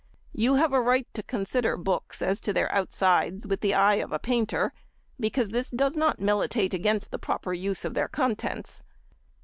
You have a right to consider books, as to their outsides, with the eye of a painter; because this does not militate against the proper use of the contents.